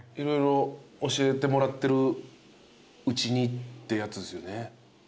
色々教えてもらってるうちにってやつですよね？